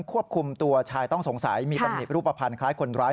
ควบคุมตัวชายต้องสงสัยมีตำหนิรูปภัณฑ์คล้ายคนร้าย